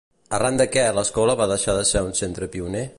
Arran de què l'escola va deixar de ser un centre pioner?